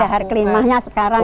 ini dahar kelimahnya sekarang